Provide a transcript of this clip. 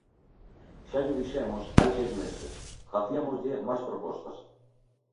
Xa llo dixemos hai seis meses, faciámoslle máis propostas.